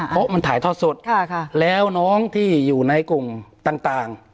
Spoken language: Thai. เพราะมันถ่ายทอดสดแล้วน้องที่อยู่ในกลุ่มต่าง